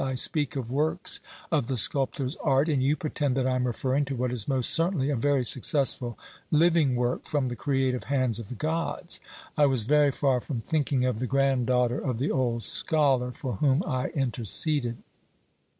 I speak of works of the sculptor's art, and you pretend that I am referring to what is most certainly a very successful living work from the creative hands of the gods. I was very far from thinking of the granddaughter of the old scholar for whom I interceded."